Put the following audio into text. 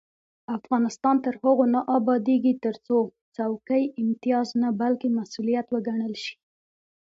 افغانستان تر هغو نه ابادیږي، ترڅو څوکۍ امتیاز نه بلکې مسؤلیت وګڼل شي.